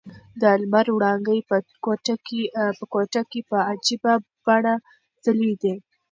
د لمر وړانګې په کوټه کې په عجیبه بڼه ځلېدې.